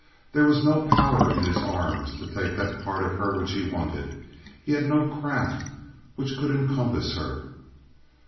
There was no power in his arms to take that part of her which he wanted; he had no craft which could encompass her.